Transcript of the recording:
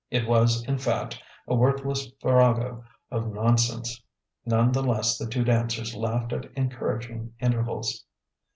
It was, in fact, a worthless farrago of nonsense. None the less the two dancers laughed at encouraging intervals.